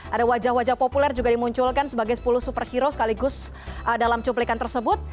ada wajah wajah populer juga dimunculkan sebagai sepuluh superhero sekaligus dalam cuplikan tersebut